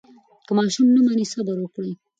که ماشوم نه مني، صبر وکړئ.